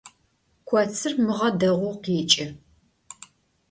Kotsır mığe değou kheç'ı.